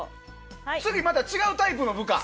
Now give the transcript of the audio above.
次は、また違うタイプの部下。